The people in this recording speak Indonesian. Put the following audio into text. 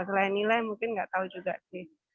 selain nilai mungkin nggak tahu juga sih